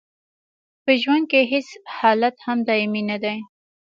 په ژوند کې هیڅ حالت هم دایمي نه دی.